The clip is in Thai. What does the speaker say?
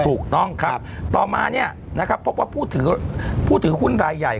ถูกต้องครับต่อมาเนี่ยนะครับพบว่าผู้ถือหุ้นรายใหญ่